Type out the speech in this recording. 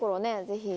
ぜひ。